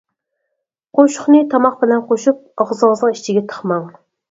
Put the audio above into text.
قوشۇقنى تاماق بىلەن قوشۇپ ئاغزىڭىزنىڭ ئىچىگە تىقماڭ.